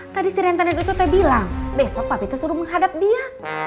tadi si rentenir itu teh bilang besok papi tuh suruh menghadap dia